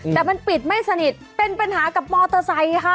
แต่มันปิดไม่สนิทเป็นปัญหากับมอเตอร์ไซค์ค่ะ